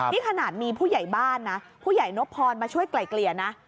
นี่ขนาดมีผู้ใหญ่บ้านนะผู้ใหญ่นบพรมาช่วยไกล่เกลี่ยนะ